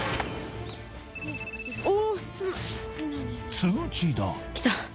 ［通知だ］きた。